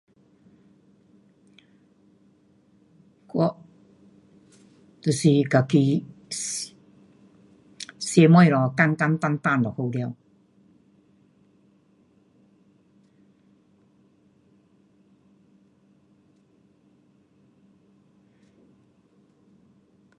我，就是自己，um 吃东西简简单单就好了。